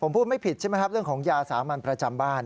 ผมพูดไม่ผิดใช่ไหมครับเรื่องของยาสามัญประจำบ้าน